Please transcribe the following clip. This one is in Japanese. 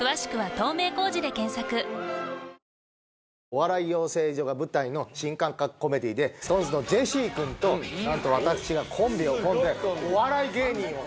お笑い養成所が舞台の新感覚コメディーでＳｉｘＴＯＮＥＳのジェシー君となんと私がコンビを組んでお笑い芸人を。